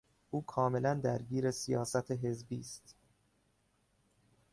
او کاملا درگیر سیاست حزبی است.